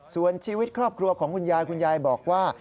ส่วนชีวิตครอบครัวของคุณยายคุณยายบอกว่า